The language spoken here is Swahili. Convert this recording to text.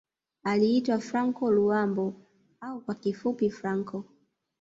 Aliitwa Franco Luambo au kwa kifupi Franco